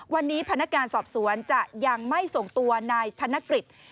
วันนี้พนักงานสอบสวนจะยังไม่ส่งตัวนายธนกฤษ